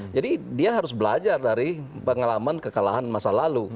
jadi dia harus belajar dari pengalaman kekalahan masa lalu